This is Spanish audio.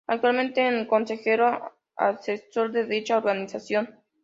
Actualmente es Consejero Asesor de dicha organización.